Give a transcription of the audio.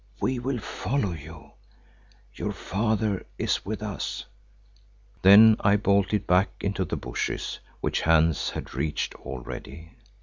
We will follow you. Your father is with us." Then I bolted back into the bushes, which Hans had reached already.